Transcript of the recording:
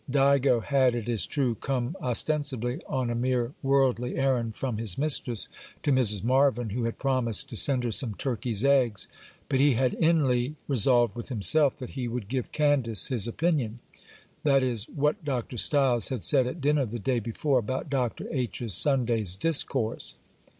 Digo had, it is true, come ostensibly on a mere worldly errand from his mistress to Mrs. Marvyn, who had promised to send her some turkeys' eggs, but he had inly resolved with himself that he would give Candace his opinion,—that is, what Dr. Stiles had said at dinner the day before about Dr. H.'s Sunday's discourse.